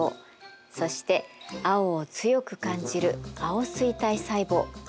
そして青を強く感じる青錐体細胞。